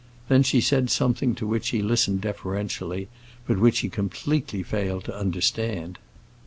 Then she said something to which he listened deferentially, but which he completely failed to understand.